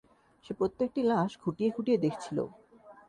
সে প্রত্যেকটি লাশ খুঁটিয়ে খুঁটিয়ে দেখছিল।